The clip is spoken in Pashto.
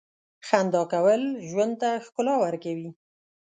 • خندا کول ژوند ته ښکلا ورکوي.